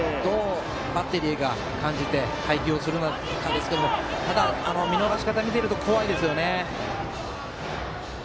バッテリーが、どう感じて配球をするかですが見逃し方を見ていると怖いですよね。